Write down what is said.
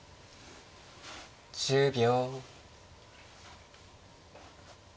１０秒。